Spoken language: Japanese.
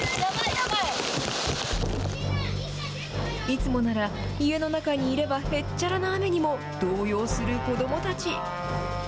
いつもなら家の中にいれば、へっちゃらな雨にも、動揺する子どもたち。